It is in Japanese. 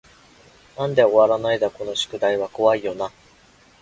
なんで終わらないだこの宿題は怖い y な